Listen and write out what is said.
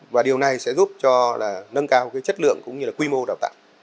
và điều này sẽ giúp cho nâng cao chất lượng cũng như là quy mô đào tạo